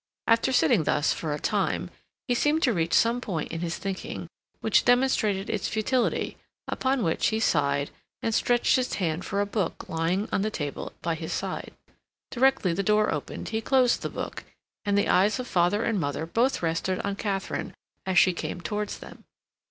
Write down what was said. After sitting thus for a time, he seemed to reach some point in his thinking which demonstrated its futility, upon which he sighed and stretched his hand for a book lying on the table by his side. Directly the door opened he closed the book, and the eyes of father and mother both rested on Katharine as she came towards them.